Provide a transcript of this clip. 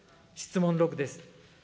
質問６です。